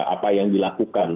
apa yang dilakukan